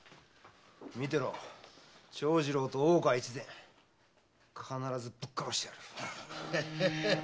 見てろ長次郎と大岡越前必ずぶっ殺してやる。